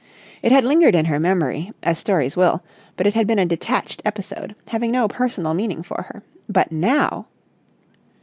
It had lingered in her memory, as stories will, but it had been a detached episode, having no personal meaning for her. But now....